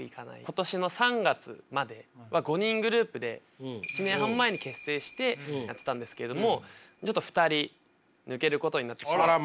今年の３月までは５人グループで１年半前に結成してやってたんですけどもちょっと２人抜けることになってしまって。